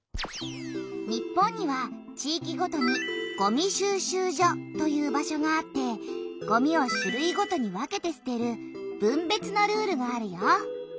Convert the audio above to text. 日本には地いきごとにごみ収集所という場所があってごみを種類ごとに分けてすてる分別のルールがあるよ。